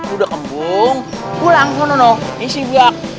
udah gembung pulang isi bak